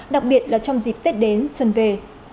đặc biệt là trong dịp tết đến xuân về